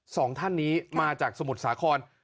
สองท่านนี้มาจากสมุทรสาคร